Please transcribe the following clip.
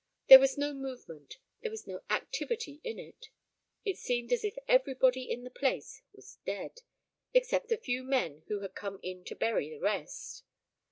There was no movement, there was no activity in it. It seemed as if everybody in the place was dead, except a few men who had come in to bury the rest.